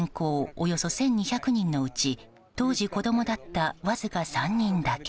およそ１２００人のうち当時子供だったわずか３人だけ。